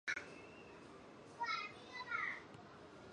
第二密码是已知的仅给用户。